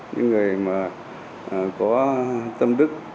những người mà có tâm đức